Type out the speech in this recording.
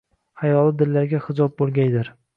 Xayoli dillarga hijob bo‘lgaydir